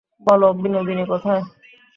বলো, বিনোদিনী কোথায়।